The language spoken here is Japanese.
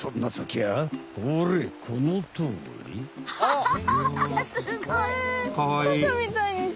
アハハハッすごい。